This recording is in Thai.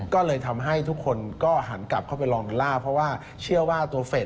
ก็เลยทำให้ทุกคนก็หันกลับเข้าไปลองดอลลาร์